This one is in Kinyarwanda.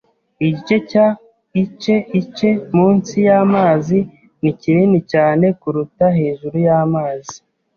Igice cya ice ice munsi y'amazi ni kinini cyane kuruta hejuru y'amazi.